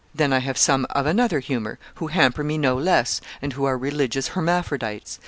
Then I have some of another humor, who hamper me no less, and who are religious hermaphrodites.